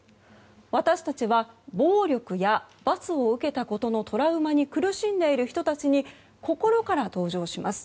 私たちは暴力や罰を受けたことのトラウマに苦しんでいる人たちに心から同情します。